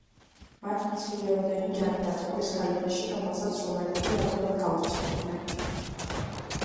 მათ მცირეოდენი ჯარი დატოვეს გალიაში, რომელსაც რომაელები ადვილად გაუსწორდნენ.